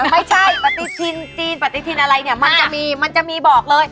ไม่ใช่ปฏิทินจีนปฏิทินอะไรเนี่ยมันจะมีมันจะมีบอกเลย